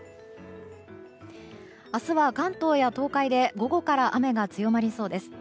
明日は関東や東海で午後から雨が強まりそうです。